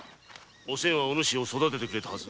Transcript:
お仙はお主を育ててくれたはず。